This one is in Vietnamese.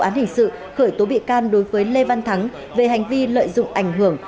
án hình sự khởi tố bị can đối với lê văn thắng về hành vi lợi dụng ảnh hưởng